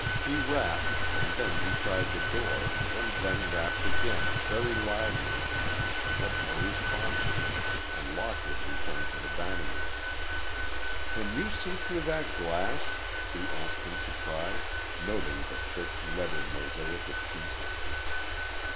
He rapped, and then he tried the door, and then rapped again, very loudly. But no response came, and Lockwood returned to the dining room. "Can you see through that glass?" he asked in surprise, noting the thick, leaded mosaic of pieces.